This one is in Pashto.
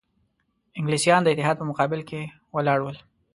انګلیسیان د اتحاد په مقابل کې ولاړ ول.